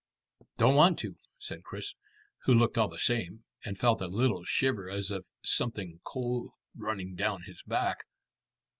"Don't want to," said Chris, who looked all the same, and felt a little shiver as of something cold running down his back.